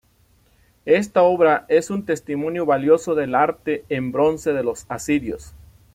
Esta obra es un testimonio valioso del arte en bronce de los asirios.